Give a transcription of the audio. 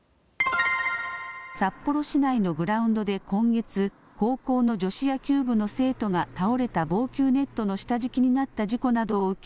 札幌市内のグラウンドで今月、高校の女子野球部の生徒が倒れた防球ネットの下敷きになった事故などを受け